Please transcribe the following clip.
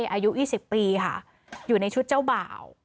อายุ๒๐ปีค่ะอยู่ในชุดเจ้าบ่าว